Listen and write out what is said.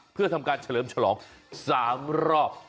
เพื่อทำการเฉลิมฉลอง๓รอบ